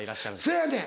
そやねん。